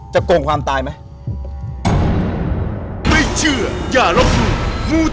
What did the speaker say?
โกงความตายไหม